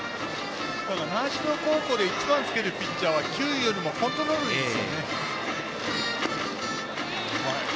習志野で１番をつけるピッチャーは球威よりもコントロールがいいので。